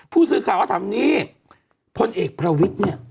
ผู้สืบข่าวว่าทำนี่พลเอกพระวิทย์เนี่ย